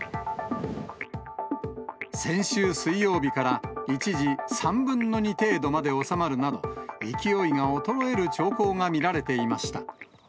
先週水曜日から一時３分の２程度まで収まるなど、勢いが衰える兆候が見られていました。